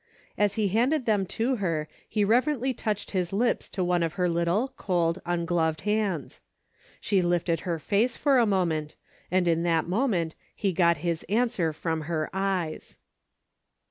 As he handed them t<5 her he reverently touched his lips to one of her little, cold, ungloved hands. She lifted her face for a moment, and in that moment he got his answer from her eyes.